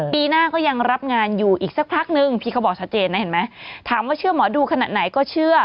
ปีหน้าก็ยังรับงานอยู่อีกสักพักนึงพี่เขาบอกชัดเจนนะเห็นไหมถามว่าเชื่อหมอดูขนาดไหนก็เชื่อ